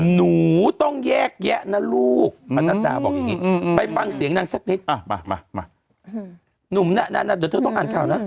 หนุ่มน่ะน่ะน่ะเดี๋ยวเธอต้องอ่านข่าวน่ะ